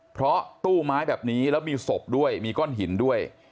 เพราะตู้ไม้แบบนี้แล้วมีศพด้วยมีก้อนหินด้วย